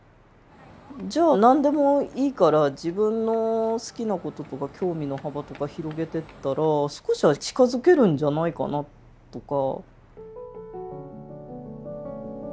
じゃあ何でもいいから自分の好きなこととか興味の幅とか広げてったら少しは近づけるんじゃないかなとか。